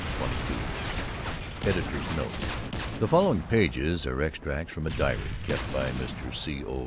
CHAPTER XXII (Editor's Note: The following pages are extracts from a diary kept by Mr. C. O.